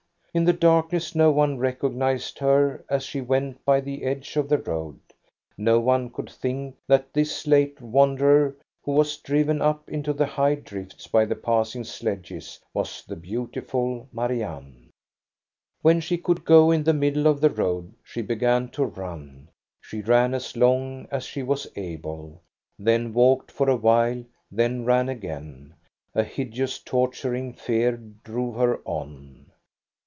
In the darkness no one recognized her, as she went by the edge of the road ; no one could think that this late wanderer, who was driven up into the high drifts by the passing sledges, was the beautiful Marianne. When she could go in the middle of the road she 96 THE STORY OF GO ST A BE RUNG began to run. She ran as long as she wa» able, then walked for a while, then ran again. A hideous, tortur ing fear drove her on.